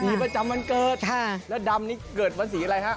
มีประจำวันเกิดแล้วดำนี้เกิดวันสีอะไรฮะ